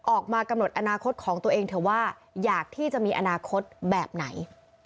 ออกมากำหนดอนาคตของตัวเองเถอะว่าอยากที่จะมีอนาคตแบบไหน